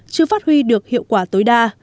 chưa phát huy được hiệu quả tối đa